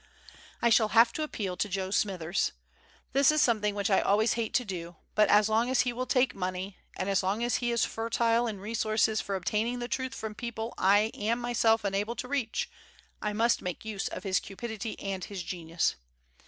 I shall have to appeal to Joe Smithers. This is something which I always hate to do, but as long as he will take money, and as long as he is fertile in resources for obtaining the truth from people I am myself unable to reach, I must make use of his cupidity and his genius.